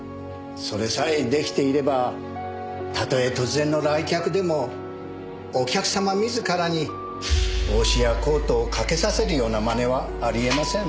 それさえ出来ていればたとえ突然の来客でもお客様自らに帽子やコートをかけさせるような真似はありえません。